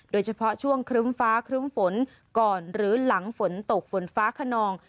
โดยเฉพาะช่วงครึ้มฟ้าครึ้มฝนก่อนหรือหลังฝนตกฝนฟ้าขนอง